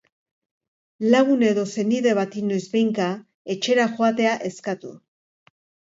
Lagun edo senide bati noizbehinka etxera joatea eskatu.